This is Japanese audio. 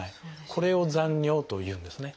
これを残尿というんですね。